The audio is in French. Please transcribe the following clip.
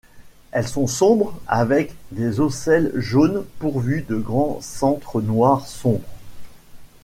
Elles sont sombres avec des ocelles jaunes pourvus de grands centres noirs sombres.